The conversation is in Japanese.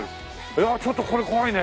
いやちょっとこれ怖いね。